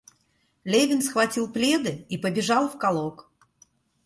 Левин схватил пледы и побежал в Колок.